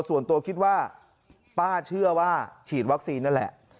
ส่วนตัวคิดว่าป้าเชื่อว่าฉีดวัคซีนนั่นแหละ